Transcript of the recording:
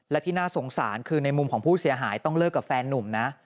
และที่น่าสงสารคือในมุมของผู้เสียหายต้องเลิกกับแฟนนุ่มนะ